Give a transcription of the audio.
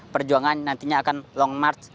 perjuangan nantinya akan long march